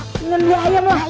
minum buah ayam lah